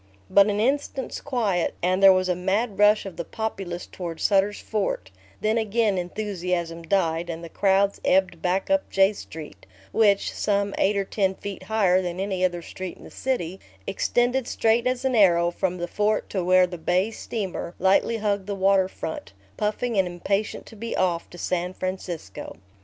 But an instant's quiet, and there was a mad rush of the populace toward Sutter's Fort; then again enthusiasm died, and the crowds ebbed back up J Street, which, some eight or ten feet higher than any other street in the city, extended straight as an arrow from the fort to where the bay steamer lightly hugged the water front, puffing and impatient to be off to San Francisco.